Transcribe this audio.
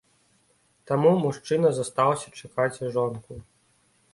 Таму мужчына застаўся чакаць жонку.